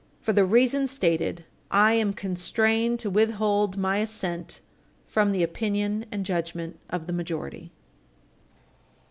For the reasons stated, I am constrained to withhold my assent from the opinion and judgment of the majority.